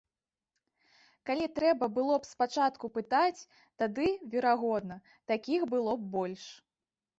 Калі трэба было б спачатку пытаць, тады, верагодна, такіх было б больш.